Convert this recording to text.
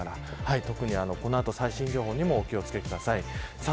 特にこの後、最新情報にもお気を付けください。